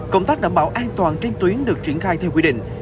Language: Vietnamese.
công tác đảm bảo an toàn trên tuyến được triển khai theo quy định